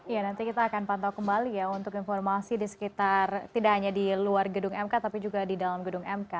ya nanti kita akan pantau kembali ya untuk informasi di sekitar tidak hanya di luar gedung mk tapi juga di dalam gedung mk